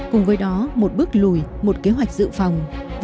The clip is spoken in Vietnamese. cùng với đó một bước lùi một kế hoạch dự phòng